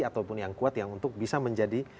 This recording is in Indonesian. atau yang kuat yang bisa menjadi